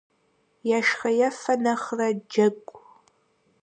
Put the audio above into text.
Ешхэ-ефэ нэхърэ джэгу.